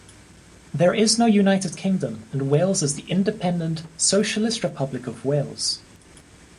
There is no United Kingdom, and Wales is the independent "Socialist Republic of Wales".